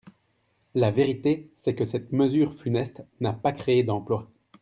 La vérité, c’est que cette mesure funeste n’a pas créé d’emplois.